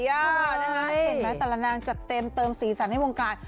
เห็นไหมแต่ละนางจัดเต็มเติมสีสันให้วงการ